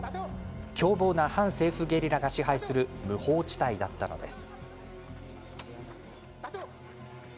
凶暴な反政府ゲリラが支配する無法地帯だったのです。